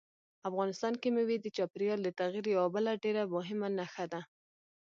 افغانستان کې مېوې د چاپېریال د تغیر یوه بله ډېره مهمه نښه ده.